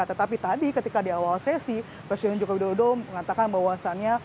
tetapi tadi ketika di awal sesi presiden joko widodo mengatakan bahwasannya